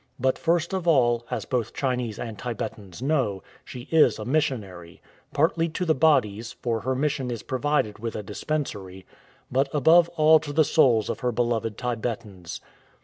But first of all, as both Chinese and Tibetans know, she is a missionary, partly to the bodies (for her mission is provided with a dispensary), but above all to the souls of her beloved Tibetans.